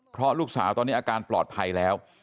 เพราะลูกสาวตอนนี้อาการปลอดภัยแล้ว